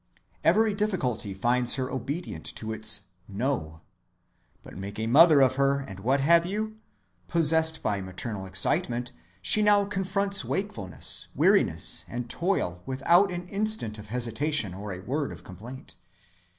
Every difficulty finds her obedient to its "no." But make a mother of her, and what have you? Possessed by maternal excitement, she now confronts wakefulness, weariness, and toil without an instant of hesitation or a word of complaint.